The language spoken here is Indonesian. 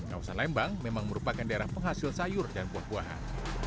kawasan lembang memang merupakan daerah penghasil sayur dan buah buahan